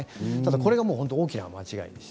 それが大きな間違いです。